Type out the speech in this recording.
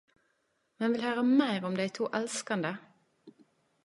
Men vil høre meir om dei to elskande!